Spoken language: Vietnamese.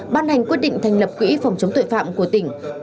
ban hành quyết định thành lập quỹ phòng chống tội phạm của tỉnh